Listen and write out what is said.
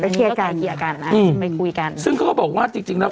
ไปต่างกันนะอืมไปคุยกันซึ่งเขาก็บอกว่าจริงจริงแล้ว